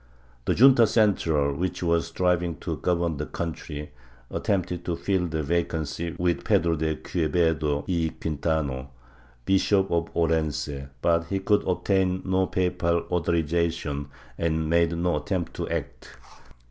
The Junta Central, which was striving to govern the country, attempted to fill the vacancy with Pedro de Quevedo y Quintano, Bishop of Orense, but he could obtain no papal author ization and made no attempt to act.